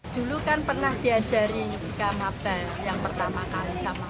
dulu kan pernah diajari kamabar yang pertama kali sama kamar